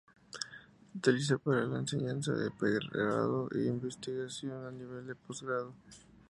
Se utiliza para la enseñanza de pregrado y de investigación a nivel de postgrado.